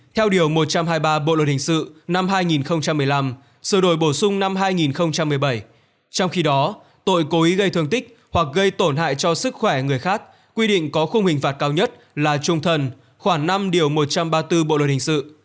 theo điều một trăm hai mươi ba bộ luật hình sự năm hai nghìn một mươi năm sự đổi bổ sung năm hai nghìn một mươi bảy trong khi đó tội cố ý gây thương tích hoặc gây tổn hại cho sức khỏe người khác quy định có khung hình phạt cao nhất là trung thần khoảng năm điều một trăm ba mươi bốn bộ luật hình sự